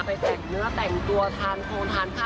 ไปแต่งเนื้อแต่งตัวทานโครงทานข้าว